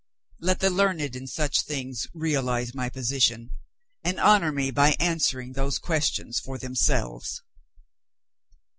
Let the learned in such things realize my position, and honor me by answering those questions for themselves.